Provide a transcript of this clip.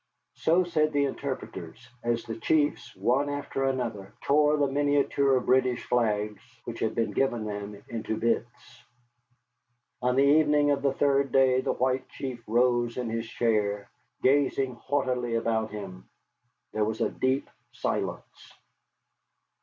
So said the interpreters, as the chiefs one after another tore the miniature British flags which had been given them into bits. On the evening of the third day the White Chief rose in his chair, gazing haughtily about him. There was a deep silence.